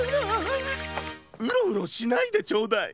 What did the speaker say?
ウロウロしないでちょうだい。